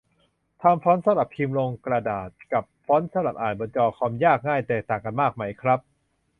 ทำฟอนต์สำหรับพิมพ์ลงกระดาษ กับ ฟอนต์สำหรับอ่านบนจอคอม ยากง่ายแตกต่างกันมากไหมครับ ?